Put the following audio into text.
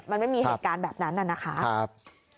มันไม่มีเหตุการณ์แบบนั้นน่ะนะคะ